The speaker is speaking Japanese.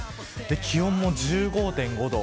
気温も１５．５度。